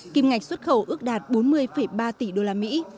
kìm ngạch xuất khẩu ước đạt bốn mươi ba tỷ usd